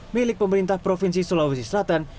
milik pemerintah provinsi sulawesi selatan